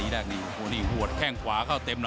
หื้อออ